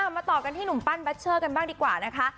มาต่อกันที่หนุ่มปั้นบัชเชอร์กันบ้างดีกว่านะคะ